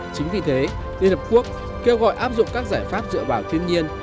chính vì thế liên hợp quốc kêu gọi áp dụng các giải pháp dựa vào thiên nhiên